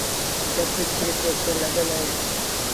جت ڇه توڦيٚن لڳل اهيݩ۔